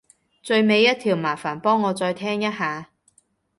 最尾一條麻煩幫我再聽一下